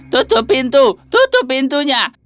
tutup pintu tutup pintunya